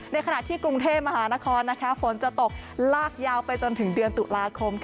ในขณะที่กรุงเทพมหานครฝนจะตกลากยาวไปจนถึงเดือนตุลาคม